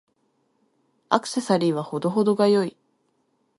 アクセサリーは程々が良い。